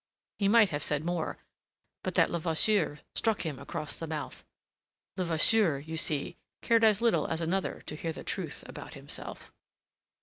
He might have said more but that Levasseur struck him across the mouth. Levasseur, you see, cared as little as another to hear the truth about himself.